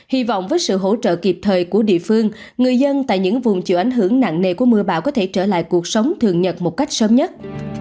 hy vọng với sự hỗ trợ kịp thời của địa phương người dân tại những vùng chịu ảnh hưởng nặng nề của mưa bão có thể trở lại cuộc sống thường nhật một cách sớm nhất